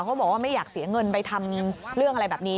เขาบอกว่าไม่อยากเสียเงินไปทำเรื่องอะไรแบบนี้